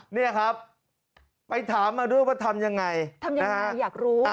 เนี่ยครับไปถามมาด้วยว่าทำยังไงทำยังไงอยากรู้